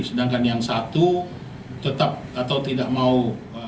sedangkan yang satu tetap atau tidak mau